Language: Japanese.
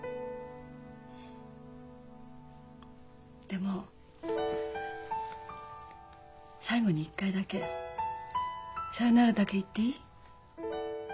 でも最後に一回だけ「さよなら」だけ言っていい？